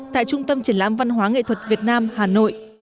tại trung tâm triển lãm văn hóa nghệ thuật việt nam hà nội